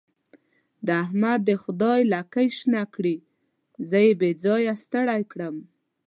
د احمد دې خدای لکۍ شنه کړي؛ زه يې بې ځايه ستړی کړم.